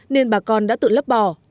nên bà con đã tự lấp bỏ